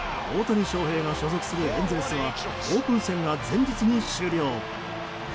大谷翔平が所属するエンゼルスはオープン戦が前日に終了。